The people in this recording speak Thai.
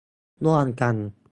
ร่วมกัน